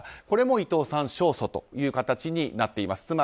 これも伊藤さん勝訴という形になっています。